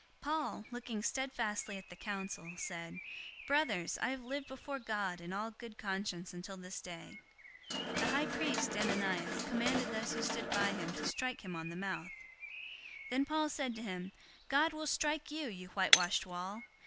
023:001 Paul, looking steadfastly at the council, said, "Brothers, I have lived before God in all good conscience until this day." 023:002 The high priest, Ananias, commanded those who stood by him to strike him on the mouth. 023:003 Then Paul said to him, "God will strike you, you whitewashed wall!